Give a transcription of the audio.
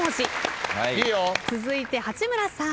続いて八村さん。